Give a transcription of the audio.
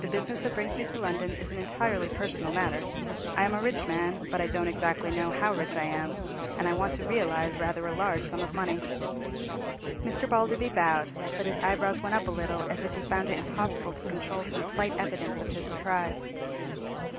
The business that brings me to London is an entirely personal matter. I am a rich man, but I don't exactly know how rich I am, and I want to realize rather a large sum of money." Mr. Balderby bowed, but his eyebrows went up a little, as if he found it impossible to control some slight evidence of his surprise.